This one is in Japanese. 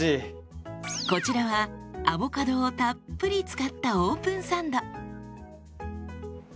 こちらはアボカドをたっぷり使ったオープンサンド。